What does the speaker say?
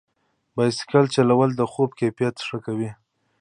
بایسکل چلول د خوب کیفیت ښه کوي.